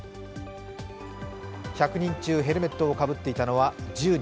１００人中ヘルメットをかぶっていたのは１０人。